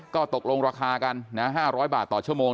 ก็ตกลงราคากันนะ๕๐๐บาทต่อชั่วโมง